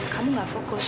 kamu gak fokus